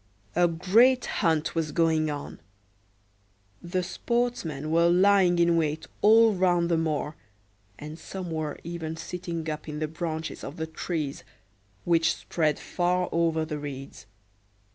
A great hunt was going on. The sportsmen were lying in wait all round the moor, and some were even sitting up in the branches of the trees, which spread far over the reeds.